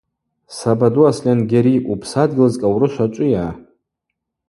Сабаду Асльангьари, у-Псадгьыл зкӏаурышв ачӏвыйа?